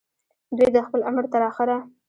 دوي د خپل عمر تر اخره